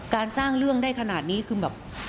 สร้างเรื่องได้ขนาดนี้คือแบบ